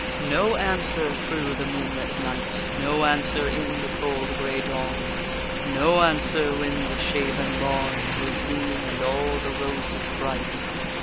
No answer through the moonlit night; No answer in the cold grey dawn; No answer when the shaven lawn Grew green, and all the roses bright.